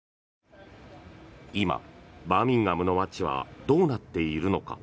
今、バーミンガムの街はどうなっているのか。